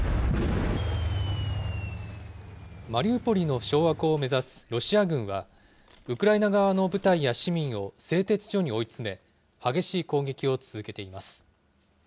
マリウポリの掌握を目指すロシア軍は、ウクライナ側の部隊や市民を製鉄所に追い詰め、激しい攻撃を続けています。